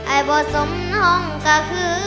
ไอ้บ่สมทองก็คือว่า